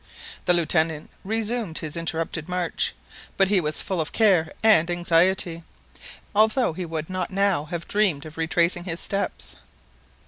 The Lieutenant resumed his interrupted march; but he was full of care and anxiety, although he would not now have dreamed of retracing his steps.